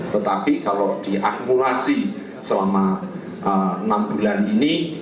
tetapi kalau diakurasi selama enam bulan ini